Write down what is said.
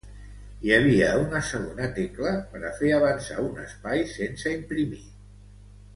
Hi havia una segona tecla per a fer avançar un espai sense imprimir.